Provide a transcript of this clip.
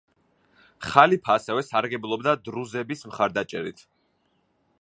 ხალიფა ასევე სარგებლობდა დრუზების მხარდაჭერით.